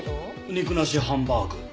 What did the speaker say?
肉なしハンバーグ。